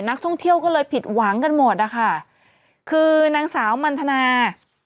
นักท่องเที่ยวก็เลยผิดหวังกันหมดนะคะคือนางสาวมันทนา